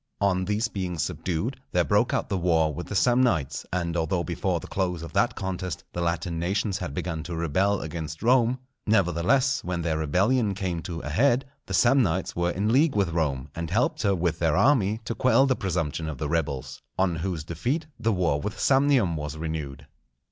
On these being subdued, there broke out the war with the Samnites; and although before the close of that contest the Latin nations had begun to rebel against Rome, nevertheless, when their rebellion came to a head, the Samnites were in league with Rome, and helped her with their army to quell the presumption of the rebels; on whose defeat the war with Samnium was renewed.